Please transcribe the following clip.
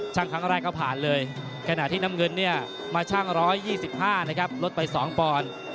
ครั้งแรกก็ผ่านเลยขณะที่น้ำเงินเนี่ยมาชั่ง๑๒๕นะครับลดไป๒ปอนด์